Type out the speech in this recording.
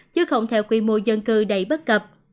chứ không theo quy mô dân cư đầy bất cập